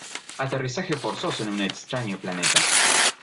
Aterrizaje forzoso en un extraño planeta.